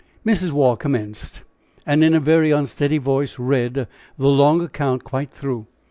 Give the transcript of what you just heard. Mrs. Waugh commenced, and in a very unsteady voice read the long account quite through.